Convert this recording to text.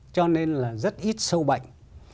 cho nên là rất ít sâu bệnh